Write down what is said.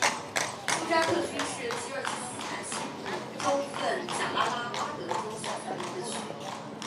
苏扎克区是吉尔吉斯斯坦西部州份贾拉拉巴德州下辖的一个区。